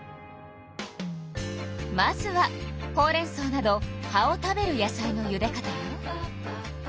まずはほうれんそうなど葉を食べる野菜のゆで方よ。